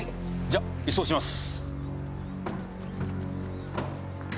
じゃ移送します。